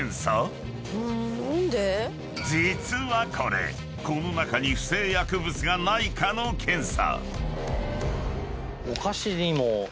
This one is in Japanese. ［実はこれこの中に不正薬物がないかの検査］